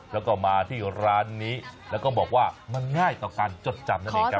แล้วก็มาที่ร้านนี้แล้วก็บอกว่ามันง่ายต่อการจดจำนั่นเองครับ